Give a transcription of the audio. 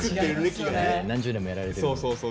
何十年もやられてるので。